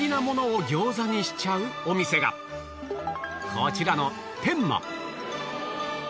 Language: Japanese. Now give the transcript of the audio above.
こちらの天馬